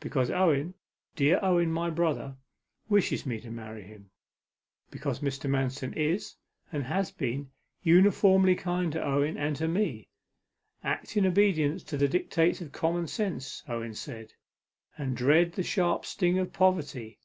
'Because Owen, dear Owen my brother, wishes me to marry him. Because Mr. Manston is, and has been, uniformly kind to Owen, and to me. "Act in obedience to the dictates of common sense," Owen said, "and dread the sharp sting of poverty.